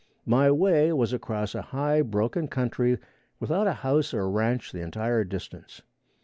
My way was across a high, broken country, without a house or a ranch the entire distance.